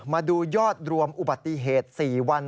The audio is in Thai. มาดูยอดรวมอุบัติเหตุ๔วัน